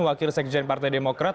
wakil sekjen partai demokrat